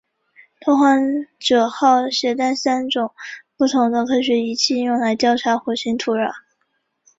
拓荒者号携带了三种不同的科学仪器用来调查火星土壤。